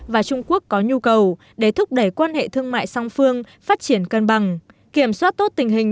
và trung quốc có nhu cầu để thúc đẩy quan hệ thương mại song phương phát triển cân bằng kiểm soát tốt tình hình